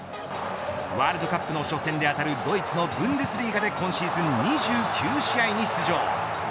ワールドカップの初戦で当たるドイツのブンデスリーガで今シーズン２９試合に出場。